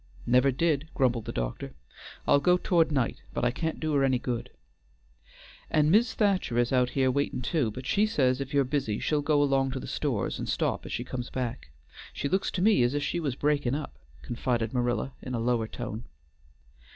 "Never did," grumbled the doctor. "I'll go, toward night, but I can't do her any good." "An' Mis' Thacher is out here waitin' too, but she says if you're busy she'll go along to the stores and stop as she comes back. She looks to me as if she was breakin' up," confided Marilla in a lower tone.